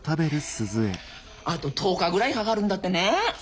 あと１０日ぐらいかかるんだってね。